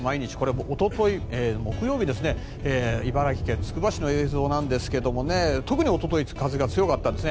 おととい、木曜日茨城県つくば市の映像ですが特におととい風が強かったんですね。